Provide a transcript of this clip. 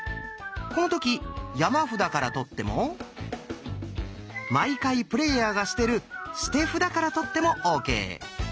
この時「山札」から取っても毎回プレーヤーが捨てる「捨て札」から取ってもＯＫ。